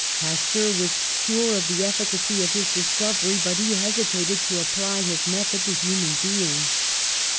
Pasteur was sure of the efficacy of his dis covery, but he hesitated to apply his method to human beings.